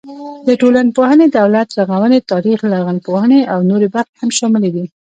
د ټولنپوهنې، دولت رغونې، تاریخ، لرغونپوهنې او نورې برخې هم شاملې دي.